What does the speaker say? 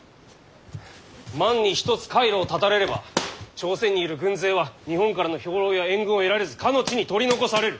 万に一つ海路を断たれれば朝鮮にいる軍勢は日本からの兵糧や援軍を得られずかの地に取り残される。